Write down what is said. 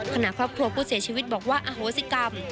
ครอบครัวผู้เสียชีวิตบอกว่าอโหสิกรรม